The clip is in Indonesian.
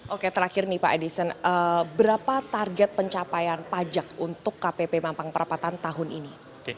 oke terakhir nih pak edison berapa target pencapaian pajak untuk kpp mampang perapatan tahun ini